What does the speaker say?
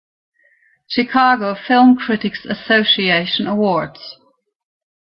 Chicago Film Critics Association Awards